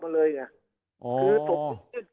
คราวนี้เจ้าหน้าที่ป่าไม้รับรองแนวเนี่ยจะต้องเป็นหนังสือจากอธิบดี